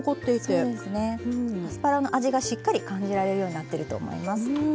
アスパラの味がしっかり感じられるようになってると思います。